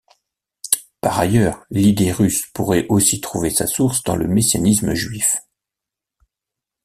Par ailleurs, l'Idée russe pourrait aussi trouver sa source dans le messianisme juif.